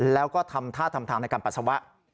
แล้วก็ทำท่าทำทางในการปัสสาวะ